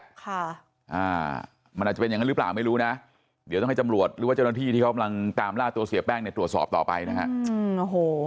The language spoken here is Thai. ค่ะอ่ามันอาจจะเป็นอย่างนั้นหรือเปล่าไม่รู้นะเดี๋ยวต้องให้ตำรวจหรือว่าเจ้าหน้าที่ที่เขากำลังตามล่าตัวเสียแป้งเนี่ยตรวจสอบต่อไปนะฮะอืมโอ้โห